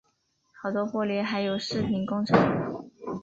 好多玻璃还有饰品工厂